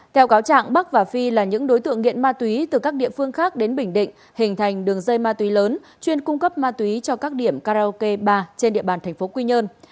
theo cáo trạng bắc và phi là những đối tượng nghiện ma túy từ các địa phương khác đến bình định hình thành đường dây ma túy lớn chuyên cung cấp ma túy cho các điểm karaoke ba trên địa bàn thành phố quy nhơn